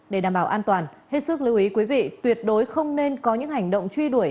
để đảm bảo an toàn hết sức lưu ý quý vị tuyệt đối không nên có những hành động truy đuổi